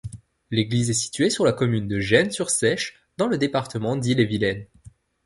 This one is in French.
L'église est située sur la commune de Gennes-sur-Seiche, dans le département d'Ille-et-Vilaine.